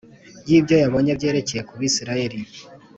y’ibyo yabonye byerekeye ku Bisirayeli